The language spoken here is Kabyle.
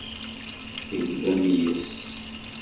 Teglam yes-s.